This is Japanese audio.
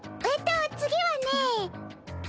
えっと次はね。